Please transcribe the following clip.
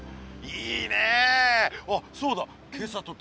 いいね！